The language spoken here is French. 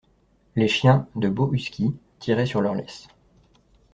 Les chiens, de beaux huskys, tireraient sur leurs laisses.